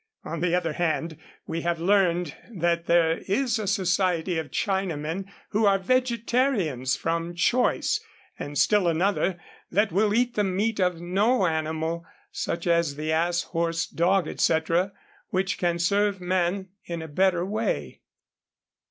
On the other hand we have learned that there is a society of Chinamen who are vegetarians from choice, and still another that will eat the meat of no animal, such as the ass, horse, dog, etc., which can serve man in a better way.